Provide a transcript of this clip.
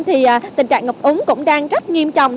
thì tình trạng ngập úng cũng đang rất nghiêm trọng